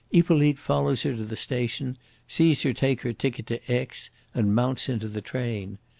Hippolyte follows her to the station, sees her take her ticket to Aix and mount into the train.